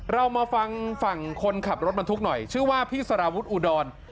เรามาฟังฝั่งคนขับรถบรรทุกหน่อยชื่อว่าพี่สารวุฒิอุดร